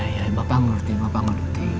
iya iya bapak ngerti bapak ngerti